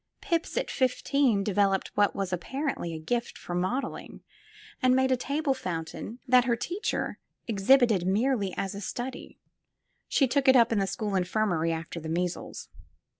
Pips, at fifteen, developed what was apparently a gift for modeling, and made a table fountain that her 177 SQUARE PEGGY teacher exhibited *' merely as a study/' (She took it up in the school iniirmary after the measles.)